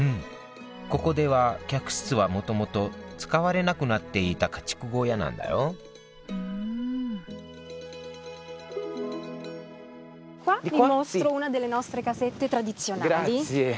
ここでは客室はもともと使われなくなっていた家畜小屋なんだよグラッツェ。